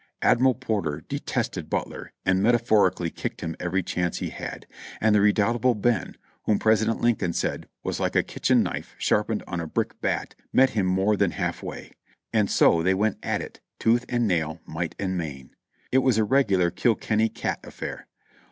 Admiral Porter detested Butler and metaphorically kicked him every chance he had, and the re doubtable Ben, whom President Lincoln said "was like a kitchen knife sharpened on a brick bat," met him more than half way; and so they went at it tooth and nail, might and main. It was a regular Kilkenny cat affair.